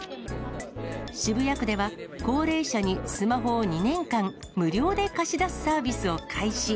渋谷区では、高齢者にスマホを２年間無料で貸し出すサービスを開始。